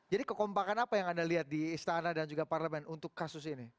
jadi kekompakan apa yang anda lihat di istana dan juga parlemen untuk kasus ini